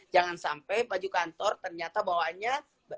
jangan sampai baju kantor ternyata bawaannya